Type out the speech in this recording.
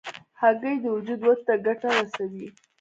هګۍ د وجود ودې ته ګټه رسوي.